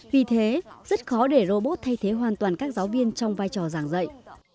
vì thế rất khó để robot thay thế hoàn toàn các giáo viên trong vai trò giảng dạy